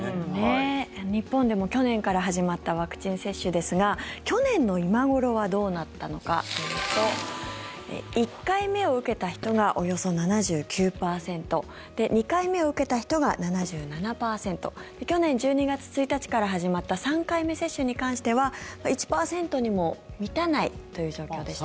日本でも去年から始まったワクチン接種ですが去年の今頃はどうだったのかというと１回目を受けた人がおよそ７９％２回目を受けた人が７７％去年１２月１日から始まった３回目接種に関しては１％にも満たないという状況でした。